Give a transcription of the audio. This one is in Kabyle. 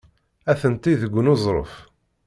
Atenti deg uneẓruf.